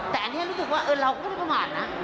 แต่ทีนี้เรารู้สึกว่าอะเราก็ไม่ประมานนะ